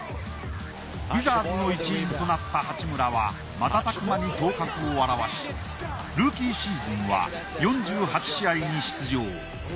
ウィザーズの一員となった八村は瞬く間に頭角を現しルーキーシーズンは４８試合に出場。